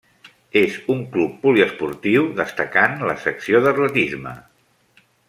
És un club poliesportiu, destacant la secció d'atletisme.